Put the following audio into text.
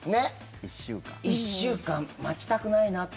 １週間待ちたくないな。